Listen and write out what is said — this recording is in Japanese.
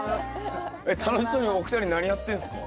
えっ楽しそうにお二人何やってんすか？